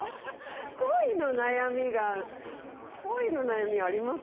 恋の悩みが恋の悩みあります？